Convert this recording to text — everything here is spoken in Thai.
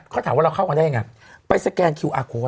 เขาถามว่าเราเข้ากันได้ยังไง